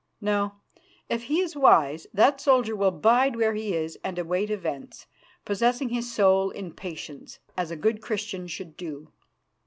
No, if he is wise, that soldier will bide where he is and await events, possessing his soul in patience, as a good Christian should do.